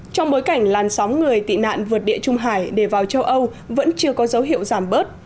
trong bối cảnh làn sóng người tị nạn vượt địa trung hải để vào châu âu vẫn chưa có dấu hiệu giảm bớt